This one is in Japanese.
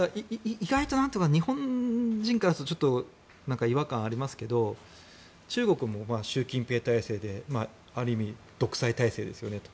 意外と日本人からすると違和感ありますが中国も習近平体制である意味、独裁体制ですよね。